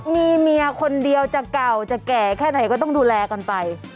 มีเมียคนเดียวจะเก่าจะแก่แค่ไหนก็ต้องดูแลกันไป